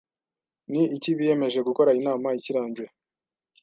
Ni iki biyemeje gukora inama ikirangira